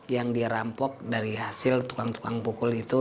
yang dirampok dari hasil tukang tukang bukul itu